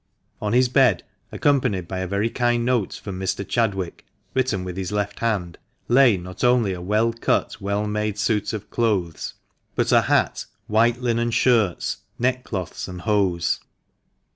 On his bed, accompanied by a very kind note from Mr. Chadwick (written with his left hand), lay not only a well cut, well made suit of clothes, but a hat, white linen shirts, neck cloths, and hose.